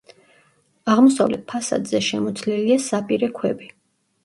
აღმოსავლეთ ფასადზე შემოცლილია საპირე ქვები.